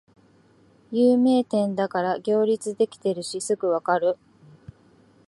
有名店だから行列できてるしすぐわかる